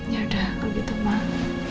ya udah kalau gitu mama